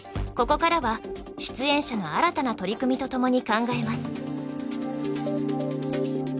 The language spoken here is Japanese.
ここからは出演者の新たな取り組みとともに考えます。